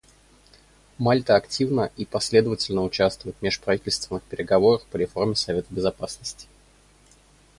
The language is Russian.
Мальта активно и последовательно участвует в межправительственных переговорах по реформе Совета Безопасности.